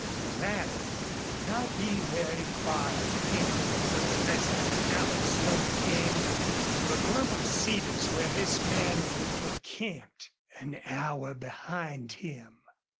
The latter could not be very far ahead. In less than an hour Slone came to a clump of cedars where this man had camped. An hour behind him!